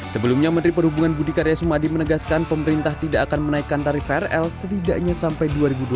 sebelumnya menteri perhubungan budi karya sumadi menegaskan pemerintah tidak akan menaikkan tarif krl setidaknya sampai dua ribu dua puluh